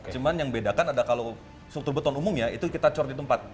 cuma yang bedakan ada kalau struktur beton umumnya itu kita cor di tempat